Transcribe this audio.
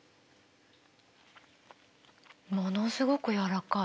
ものすごく柔らかい。